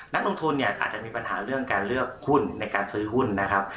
นักลงทุนเนี่ยอาจจะมีปัญหาเรื่องการเลือกหุ้นในการซื้อหุ้นนะครับ